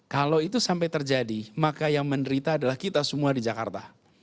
kalau itu sampai terjadi maka yang menderita adalah kita semua di jakarta